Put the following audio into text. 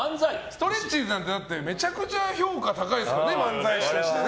ストレッチーズなんてめちゃくちゃ評価高いですからね漫才師として。